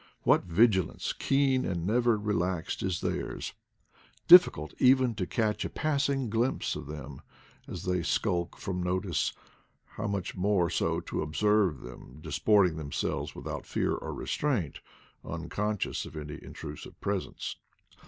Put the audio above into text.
What vigilance, keen and never relaxed, is theirs I Difficult even to catch a passing glimpse of them as they skulk from notice, how much more so to observe them disporting themselves without fear or restraint, unconscious of any intrusive presence